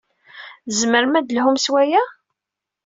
Tzemrem ad d-telhum s waya.